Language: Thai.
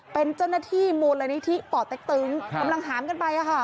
เป็นเจ้าหน้าที่มูลนิธิป่อเต็กตึงกำลังหามกันไป